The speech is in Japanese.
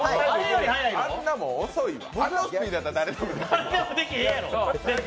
あんなもん遅いわ。